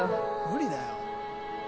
無理だよ。